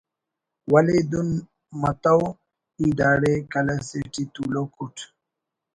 ولے دن متو ای داڑے کلہ سے ٹی تولوک اُٹ